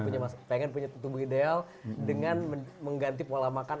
pengen punya tubuh ideal dengan mengganti pola makan